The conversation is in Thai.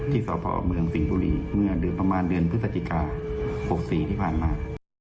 สพเมืองสิงห์บุรีเมื่อหรือประมาณเดือนพฤศจิกา๖๔ที่ผ่านมา